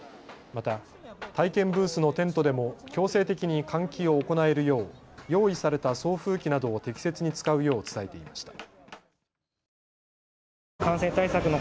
また、体験ブースのテントでも強制的に換気を行えるよう用意された送風機などを適切に使うよう伝えていました。